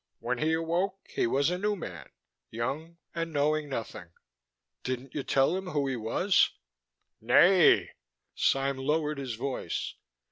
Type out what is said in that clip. When he awoke he was a newman: young and knowing nothing." "Didn't you tell him who he was?" "Nay!" Sime lowered his voice.